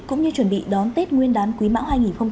cũng như chuẩn bị đón tết nguyên đán quý mão hai nghìn hai mươi